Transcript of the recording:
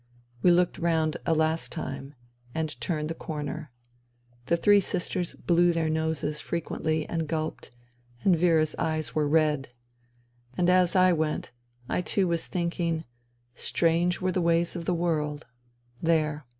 We looked round a last time, and turned the corner. The three sisters blew their noses frequently and gulped, and Vera's eyes were red. And as I went I too was thinking : Strange were the ways of the world : there